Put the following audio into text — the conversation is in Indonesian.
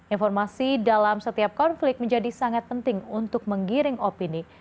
informasi dalam setiap konflik menjadi sangat penting untuk menggiring opini